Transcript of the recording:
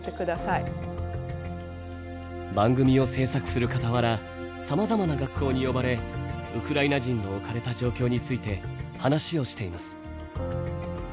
番組を制作する傍らさまざまな学校に呼ばれウクライナ人の置かれた状況について話をしています。